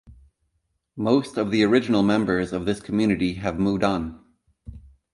Most of the original members of this community have moved on.